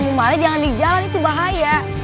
mau mali jangan di jalan itu bahaya